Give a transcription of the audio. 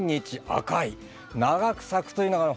長く咲くというのがね